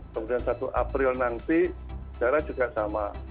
kemudian satu april nanti darah juga sama